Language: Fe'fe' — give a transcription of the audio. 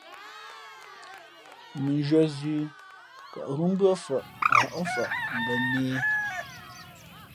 Mʉnzhwē zʉ̌,kαʼghʉ̄ mbʉ́ά fαʼ hα̌ʼmfαʼ mbα nēhē.